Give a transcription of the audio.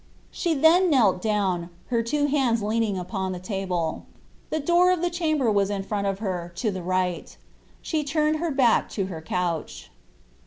She then knelt down, her two hands leaning upon the table. The door of the chamber was in front of her, to the right. She turned her back to her couch.